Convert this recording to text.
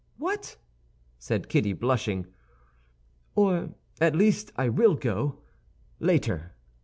"What!" said Kitty, blushing. "Or, at least, I will go—later."